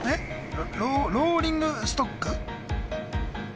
ロローリングストック？